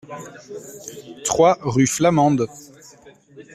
trois rue Flamande